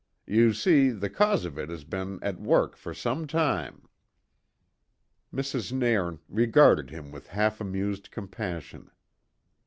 You see, the cause of it has been at work for some time." Mrs. Nairn regarded him with half amused compassion.